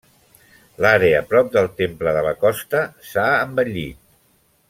L'àrea prop del temple de la Costa, s'ha embellit.